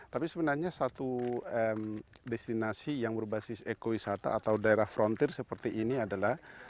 tapi sebenarnya satu destinasi yang berbasis ekowisata atau daerah frontir seperti ini adalah